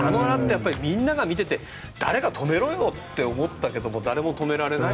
みんなが見ていて誰か止めろよって思ったけど誰も止められない。